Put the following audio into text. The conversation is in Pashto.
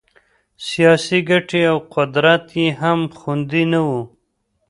سیاسي ګټې او قدرت یې هم خوندي نه وو.